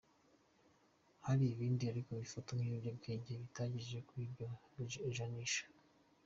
Hari ibindi ariko bifatwa nk’ibiyobyabwenge bitagejeje kuri iryo janisha.